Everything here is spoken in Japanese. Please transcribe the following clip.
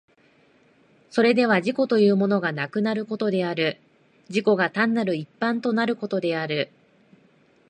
それでは自己というものがなくなることである、自己が単なる一般となることである。